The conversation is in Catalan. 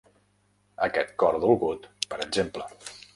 Aquest cor dolgut, per exemple.